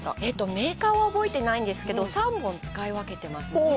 メーカーは覚えてないんですけど、３本使い分けています。